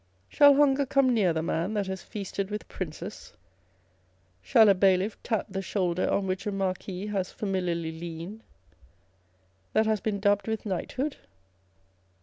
Shall hunger come near the man that has feasted with princes â€" shall a bailiff tap the shoulder on which a Marquis has familiarly leaned, that has been dubbed with knighthood